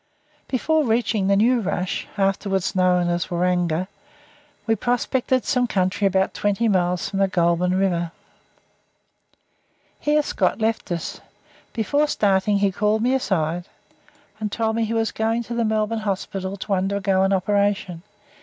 Before reaching the new rush, afterwards known as Waranga, we prospected some country about twenty miles from the Goulburn river. Here Scott left us. Before starting he called me aside, and told me he was going to the Melbourne Hospital to undergo an operation.